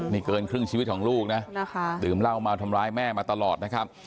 นี่เกินครึ่งชีวิตของลูกนะดื่มเหล้าเมาทำร้ายแม่มาตลอดนะครับ